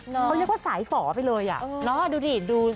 เขาเรียกว่าสายฝอไปเลยอ่ะเนาะดูดิดู